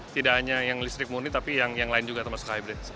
tidak hanya yang listrik murni tapi yang lain juga termasuk hybrid